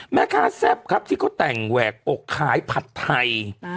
แม่ค้าแซ่บครับที่เขาแต่งแหวกอกขายผัดไทย